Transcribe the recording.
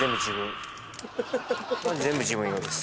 これ全部自分用です